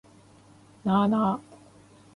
なあなあ